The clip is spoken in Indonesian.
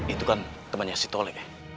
itu kan temannya si tolek ya